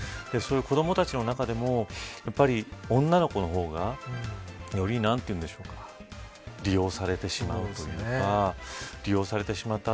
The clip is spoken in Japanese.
子どもたちの中でも女の子の方がより利用されてしまうというか利用されてしまった